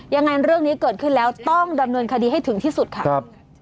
ยังไงเรื่องนี้เกิดขึ้นแล้วต้องดำเนินคดีให้ถึงที่สุดค่ะครับ